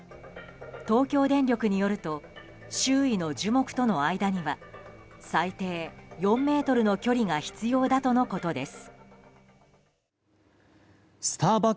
東京電力によると周囲の樹木との間には最低４ｍの距離が必要だとのことです。